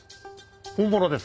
本物です。